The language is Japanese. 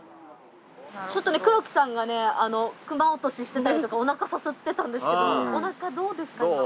ちょっとね黒木さんがね熊落とししてたりとかおなかさすってたんですけどおなかどうですか？